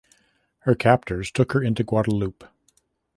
Her captors took her into Guadeloupe.